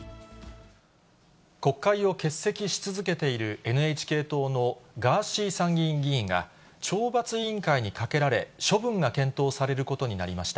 国会を欠席し続けているＮＨＫ党のガーシー参議院議員が、懲罰委員会にかけられ、処分が検討されることになりました。